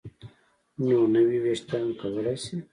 نو نوي ویښتان کولی شي